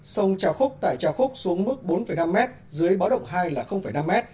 sông trào khúc tại trào khúc xuống mức bốn năm m dưới báo động hai là năm m